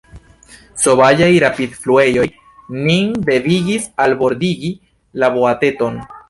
Sovaĝaj rapidfluejoj nin devigis albordigi la boateton.